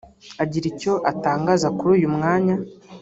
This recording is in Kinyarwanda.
Agira icyo atangaza kuri uyu mwanya